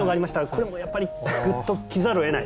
これもやっぱりグッときざるをえない。